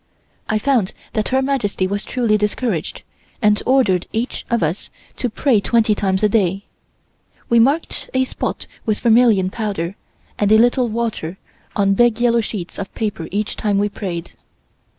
I found that Her Majesty was truly discouraged, and ordered each of us to pray twenty times a day. We marked a spot with vermilion powder and a little water on big yellow sheets of paper each time we prayed.